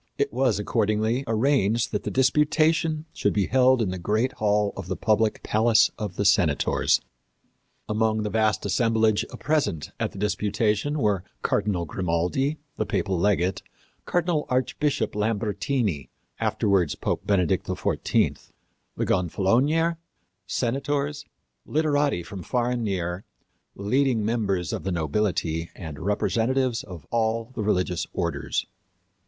It was, accordingly, arranged that the disputation should be held in the great hall of the public Palace of the Senators. Among the vast assemblage present at the disputation were Cardinal Grimaldi, the papal legate; Cardinal Archbishop Lambertini, afterwards Pope Benedict XIV; the gonfalonier, senators, literati from far and near, leading members of the nobility and representatives of all the religious orders.